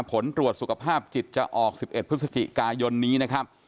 ผลตรวจสุขภาพจิตจะออก๑๑พฤศจิกายนนี้นะครับ